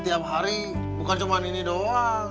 tiap hari bukan cuma ini doang